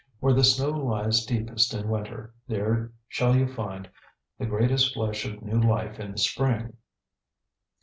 Where the snow lies deepest in winter, there shall you find the greatest flush of new life in the spring.